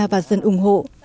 và dân ủng hộ